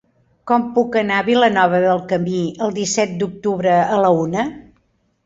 Com puc anar a Vilanova del Camí el disset d'octubre a la una?